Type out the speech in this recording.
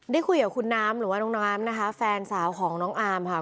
ได้คุยกับคุณน้ำหรือว่าน้องน้ำนะคะแฟนสาวของน้องอามค่ะ